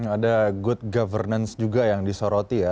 ada good governance juga yang disoroti ya